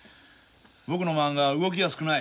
僕のまんがは動きが少ない。